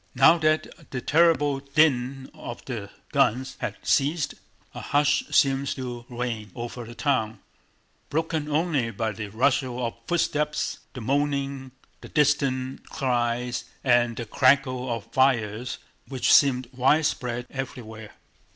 Now that the terrible din of the guns had ceased a hush seemed to reign over the town, broken only by the rustle of footsteps, the moaning, the distant cries, and the crackle of fires which seemed widespread everywhere.